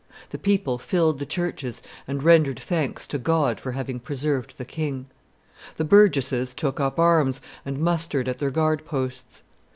The people filled the churches and rendered thanks to God for having preserved the king. The burgesses took up arms and mustered at their guard posts.